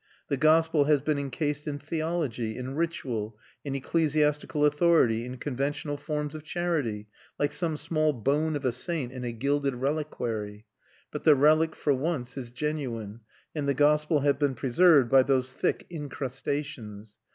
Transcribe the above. The gospel has been encased in theology, in ritual, in ecclesiastical authority, in conventional forms of charity, like some small bone of a saint in a gilded reliquary; but the relic for once is genuine, and the gospel has been preserved by those thick incrustations.